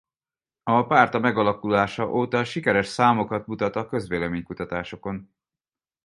A párt a megalakulása óta sikeres számokat mutat a közvélemény-kutatásokon.